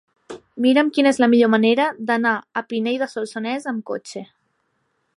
Mira'm quina és la millor manera d'anar a Pinell de Solsonès amb cotxe.